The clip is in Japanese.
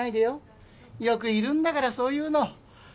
よくいるんだからそういうの。